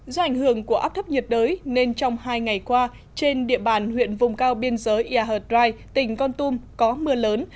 do ảnh hưởng của áp thấp nhiệt đới nên trong hai ngày qua trên địa bàn huyện vùng cao biên giới erhardt rhein tỉnh kon tum có mưa lớn